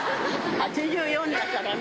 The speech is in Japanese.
８４だからね。